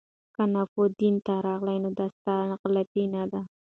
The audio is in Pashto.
که ناپوه دنیا ته راغلې نو دا ستا غلطي نه ده